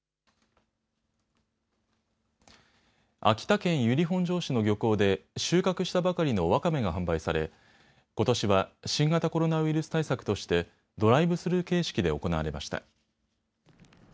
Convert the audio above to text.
秋田県由利本荘市の漁港で収穫したばかりのわかめが販売されことしは新型コロナウイルス対策としてドライブスルー形式で行われました。